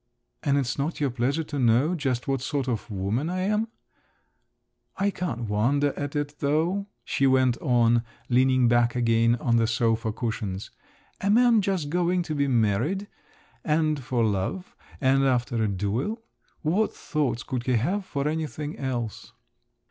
"And it's not your pleasure to know just what sort of woman I am? I can't wonder at it, though," she went on, leaning back again on the sofa cushions. "A man just going to be married, and for love, and after a duel…. What thoughts could he have for anything else?"